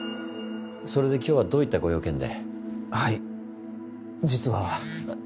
それで今日はどういったご用件で？